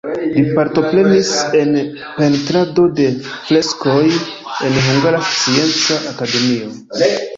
Li partoprenis en pentrado de freskoj en Hungara Scienca Akademio.